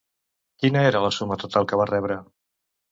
Quina era la suma total que van rebre?